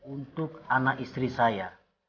untuk anak istri saya